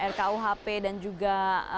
rkuhp dan juga